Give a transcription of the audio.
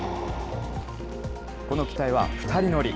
この機体は２人乗り。